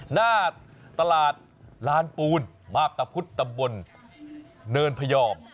หน้าตลาดลานปูนมาพตะพุธตำบลเนินพยอม